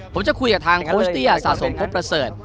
ผมจะคุยกับทางโคชเตี้ยสะสมพบประเสริฐ